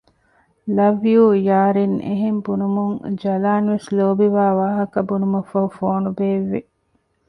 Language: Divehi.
ލަވް ޔޫ ޔާރިން އެހެން ބުނުމުން ޖަލާންވެސް ލޯބިވާ ވާހަކަ ބުނުމަށްފަހު ފޯނު ބޭއްވި